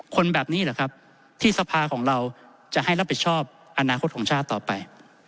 คนแบบนี้เหรอครับที่สภาของเราจะให้รับผิดชอบอนาคตของชาติต่อไป